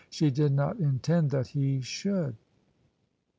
She did not intend that he should.